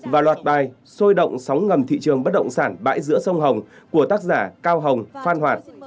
và loạt bài sôi động sóng ngầm thị trường bất động sản bãi giữa sông hồng của tác giả cao hồng phan hoạt